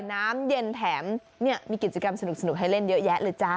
น้ำเย็นแถมมีกิจกรรมสนุกให้เล่นเยอะแยะเลยจ้า